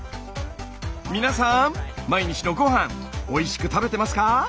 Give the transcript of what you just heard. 皆さん毎日のご飯おいしく食べてますか？